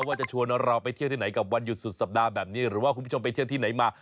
ว่าจะชวนเราไปเที่ยวที่ไหนกับวันหยุดสุดสัปดาห์แบบนี้หรือว่าคุณผู้ชมไปเที่ยวที่ไหนมา